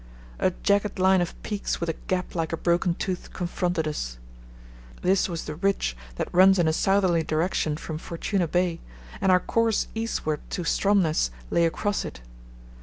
A jagged line of peaks with a gap like a broken tooth confronted us. This was the ridge that runs in a southerly direction from Fortuna Bay, and our course eastward to Stromness lay across it.